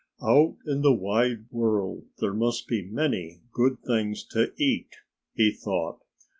"Out in the wide world there must be many good things to eat," he thought.